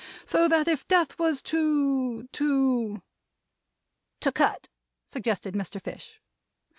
So that if death was to to " "To cut," suggested Mr. Fish.